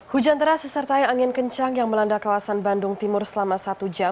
hujan teras disertai angin kencang yang melanda kawasan bandung timur selama satu jam